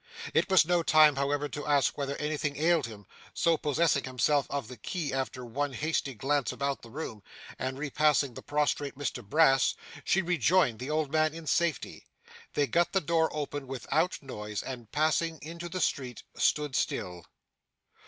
It was no time, however, to ask whether anything ailed him; so, possessing herself of the key after one hasty glance about the room, and repassing the prostrate Mr Brass, she rejoined the old man in safety. They got the door open without noise, and passing into the street, stood still.